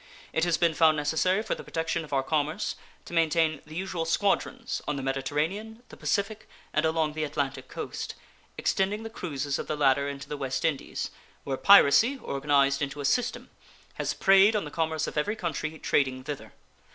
It has been found necessary for the protection of our commerce to maintain the usual squadrons on the Mediterranean, the Pacific, and along the Atlantic coast, extending the cruises of the latter into the West Indies, where piracy, organized into a system, has preyed on the commerce of every country trading thither.